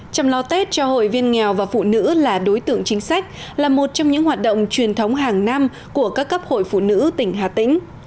chăm lo tết cho hội viên nghèo và phụ nữ là đối tượng chính sách là một trong những hoạt động truyền thống hàng năm của các cấp hội phụ nữ tỉnh hà tĩnh